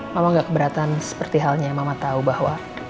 mama gak keberatan seperti halnya yang mama tahu bahwa